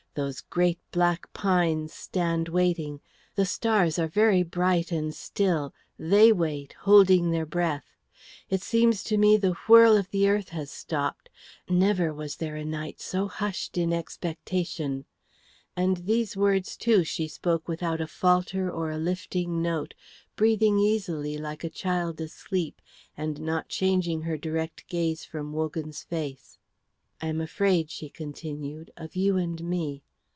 Those great black pines stand waiting; the stars are very bright and still, they wait, holding their breath. It seems to me the whirl of the earth has stopped. Never was there a night so hushed in expectation;" and these words too she spoke without a falter or a lifting note, breathing easily like a child asleep, and not changing her direct gaze from Wogan's face. "I am afraid," she continued, "of you and me.